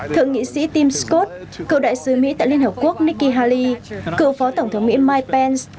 thượng nghị sĩ tim scott cựu đại sứ mỹ tại liên hợp quốc nikki haley cựu phó tổng thống mỹ mike pence